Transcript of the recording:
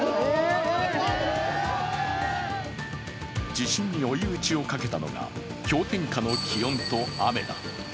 地震に追い打ちをかけたのが氷点下の気温と雨だ。